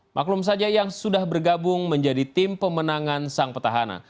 maklum saja yang sudah bergabung menjadi tim pemenangan sang petahana